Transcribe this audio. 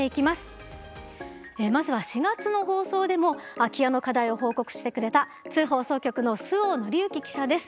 まずは４月の放送でも空き家の課題を報告してくれた津放送局の周防則志記者です。